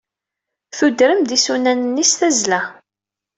Tudrem isunan-nni s tazzla.